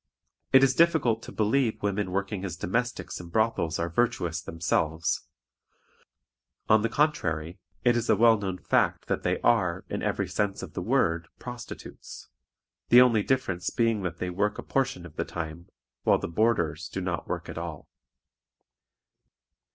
It is difficult to believe women working as domestics in brothels are virtuous themselves; on the contrary, it is a well known fact that they are, in every sense of the word, prostitutes; the only difference being that they work a portion of the time, while the "boarders" do not work at all.